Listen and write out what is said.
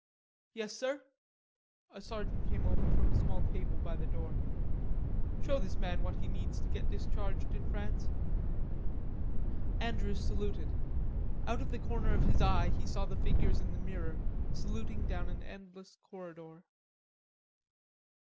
"Yes, sir." A sergeant came over from a small table by the door. "Show this man what he needs to do to get discharged in France." Andrews saluted. Out of the corner of his eye he saw the figures in the mirror, saluting down an endless corridor.